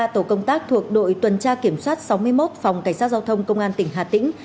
ba tổ công tác thuộc đội tuần tra kiểm soát sáu mươi một phòng cảnh sát giao thông công an tỉnh hà tĩnh